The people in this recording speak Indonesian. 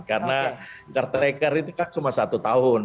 karena kartrekar itu kan cuma satu tahun